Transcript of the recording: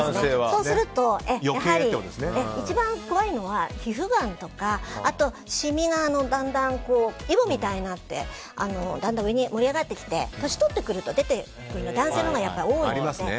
そうすると一番怖いのは皮膚がんとかあとシミがだんだんイボみたいになって上に盛り上がってきて年を取ってきてから出てくるのは男性のほうが多いんです。